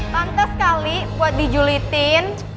pantes kali buat dijulitin